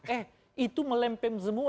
eh itu melempem semua